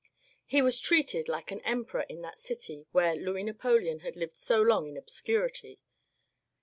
He was treated like an em peror in that city where Louis Napoleon had lived so long in obscurity.